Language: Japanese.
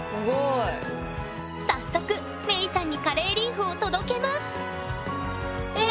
早速メイさんにカレーリーフを届けますえ